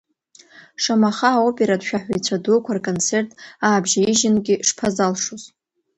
Шамаха аоператә шәаҳәаҩцәа дуқәа рконцертк аабжьаижьынгьы шԥазалшоз.